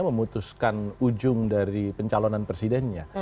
memutuskan ujung dari pencalonan presidennya